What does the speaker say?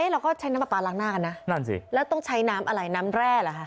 เราก็ใช้น้ำปลาปลาล้างหน้ากันนะนั่นสิแล้วต้องใช้น้ำอะไรน้ำแร่เหรอคะ